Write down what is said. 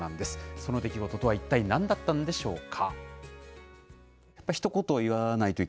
その出来事とはいったいなんだったんでしょうか。